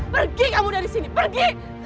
pergi kamu dari sini pergi